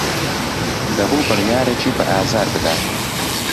دەبوو بڕیارێکی بەئازار بدات.